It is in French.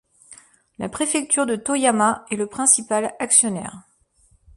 La Préfecture de Toyama est le principal actionnaire.